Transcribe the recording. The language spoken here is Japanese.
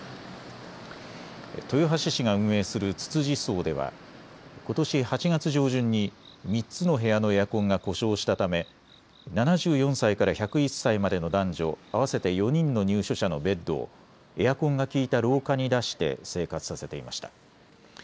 豊橋市が運営するつつじ荘ではことし８月上旬に３つの部屋のエアコンが故障したため７４歳から１０１歳までの男女合わせて４人の入所者のベッドをエアコンが効いた廊下に出して生活させていました。